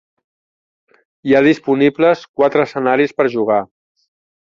Hi ha disponibles quatre escenaris per jugar.